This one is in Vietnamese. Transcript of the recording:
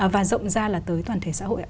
và rộng ra là tới toàn thể xã hội ạ